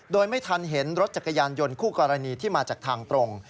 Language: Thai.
โดยไม่ทันเห็นรถจักรยานยนต์คู่กรณีที่มาจากทางตรง